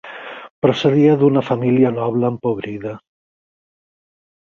Procedia d'una família noble empobrida.